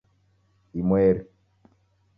Imweri